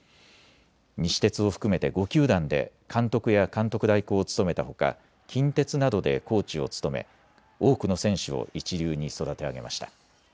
西鉄を含めて５球団で監督や監督代行を務めたほか近鉄などでコーチを務め多くの選手を一流に育て上げました。